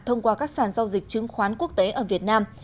thông qua các sàn giao dịch chứng khoán quốc tế ở việt nam